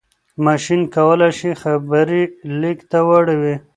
ماشين کولای شي خبرې ليک ته واړوي.